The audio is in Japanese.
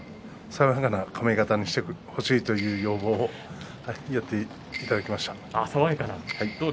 爽やかな髪形にしてほしいという要望でやっていただきました。